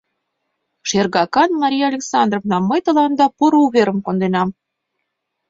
— Шергакан Мария Александровна, мый тыланда поро уверым конденам.